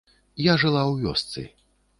Я жыла ў вёсцы.